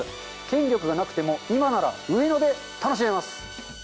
権力がなくても今なら上野で楽しめます。